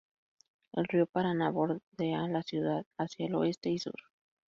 El río Paraná bordea la ciudad hacia el oeste y sur.